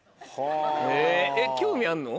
へぇえっ興味あんの？